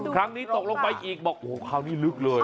ครั้งนี้ตกลงไปอีกบอกโอ้โหคราวนี้ลึกเลย